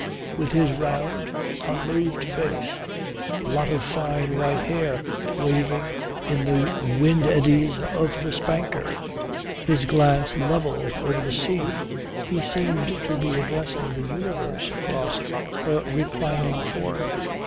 With his round unmoved face, a lot of fine white hair waving in the wind eddies of the spanker, his glance levelled over the sea he seemed to be addressing the universe across her reclining form.